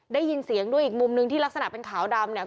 ได้ยินเสียงด้วยอีกมุมนึงที่ลักษณะเป็นขาวดำเนี่ย